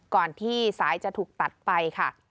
ก่อนที่สายจะถูกตัดไปค่ะ